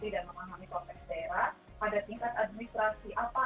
dan memahami konteks daerah pada tingkat administrasi apa